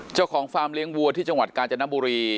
ฟาร์มเลี้ยงวัวที่จังหวัดกาญจนบุรี